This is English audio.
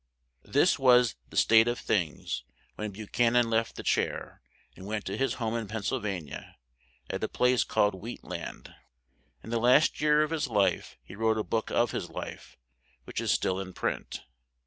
This was the state of things when Bu chan an left the chair, and went to his home in Penn syl va ni a, at a place called Wheat land. In the last year of his life he wrote a book of his life, which is still in print.